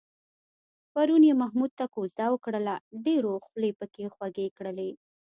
پرون یې محمود ته کوزده وکړله، ډېرو خولې پکې خوږې کړلې.